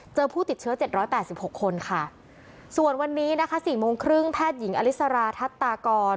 ผู้ติดเชื้อเจ็ดร้อยแปดสิบหกคนค่ะส่วนวันนี้นะคะสี่โมงครึ่งแพทย์หญิงอลิสราทัศตากร